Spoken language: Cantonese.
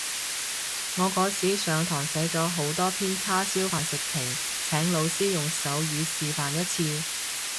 我嗰時上堂寫咗好多篇叉燒飯食評，請老師用手語示範一次